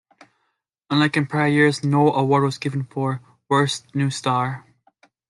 Unlike in prior years, no award was given for Worst New Star.